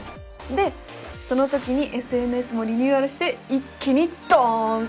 でその時にＳＮＳもリニューアルして一気にドンと。